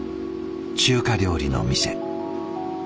中華料理の店。